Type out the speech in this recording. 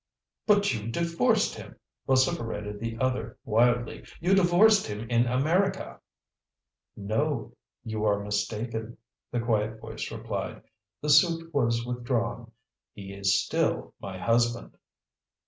"But you divorced him," vociferated the other wildly. "You divorced him in America!" "No. You are mistaken," the quiet voice replied. "The suit was withdrawn. He is still my husband."